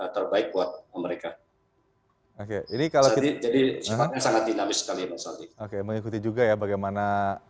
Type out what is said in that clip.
terbaik buat mereka oke ini kalau kita jadi sangat dinamis sekali mas adi oke mengikuti juga ya bagaimana